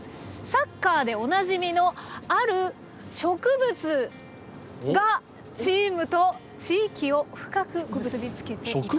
サッカーでおなじみのある植物がチームと地域を深く結び付けていました。